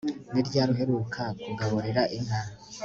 Ni ryari uheruka kugaburira inka